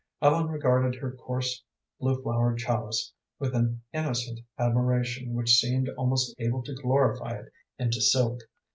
Ellen regarded her coarse blue flowered challis with an innocent admiration which seemed almost able to glorify it into silk.